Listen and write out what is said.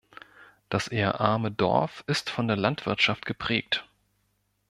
Das eher arme Dorf ist von der Landwirtschaft geprägt.